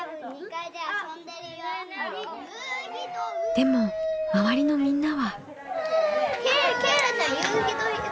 でも周りのみんなは。